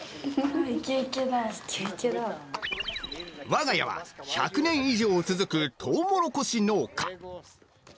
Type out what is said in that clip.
我が家は１００年以上続くとうもろこし農家。